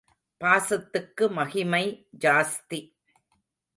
பாசத்துக்கு மகிமை ஜாஸ்தி.